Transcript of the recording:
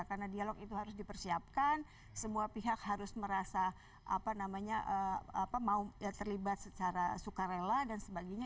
karena dialog itu harus dipersiapkan semua pihak harus merasa mau terlibat secara sukarela dan sebagainya